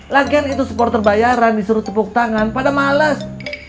lagian itu supporter bayaran disuruh tepuk tangan pada males